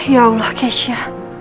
ya allah keisha